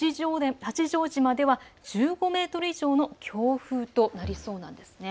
八丈島では１５メートル以上の強風となりそうです。